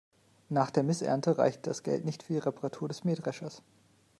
Nach der Missernte reicht das Geld nicht für die Reparatur des Mähdreschers.